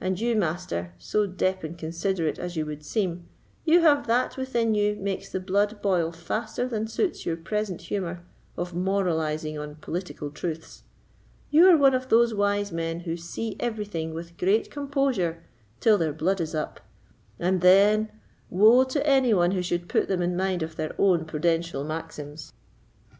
And you, Master, so deep and considerate as you would seem, you have that within you makes the blood boil faster than suits your present humour of moralising on political truths. You are one of those wise men who see everything with great composure till their blood is up, and then—woe to any one who should put them in mind of their own prudential maxims!"